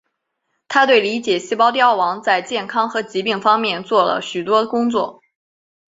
他对理解细胞凋亡在健康和疾病方面做了许多工作。